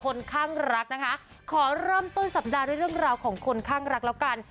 คนข้างรักนะคะขอเริ่มต้นสัปดาห์ด้วยเรื่องราวของคนข้างรักแล้วกัน